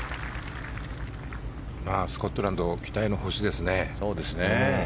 スコットランド期待の星ですね。